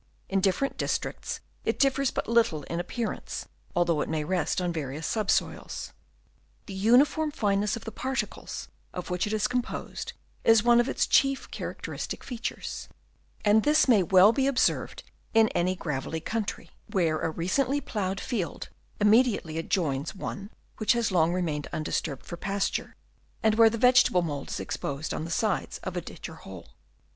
In different districts it differs but little in appearance, although it may rest on various subsoils. The uniform fineness of the particles of which it is com posed is one of its chief characteristic features ; and this may be well observed in any gravelly country, where a recently ploughed field B 2 INTRODUCTION. immediately adjoins one which has long re mained undisturbed for pasture, and where the vegetable mould is exposed on the sides of a ditch or hole.